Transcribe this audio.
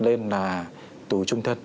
lên là tù trung thân